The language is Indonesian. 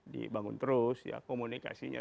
dibangun terus komunikasinya